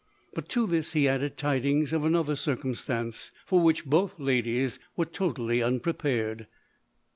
Hut to this lie added tidings of another circumstance, for which both ladies were totally unprepared.